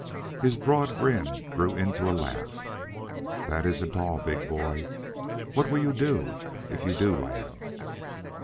His broad grin grew into a laugh. "That isn't all, big boy. What will you do if you do land?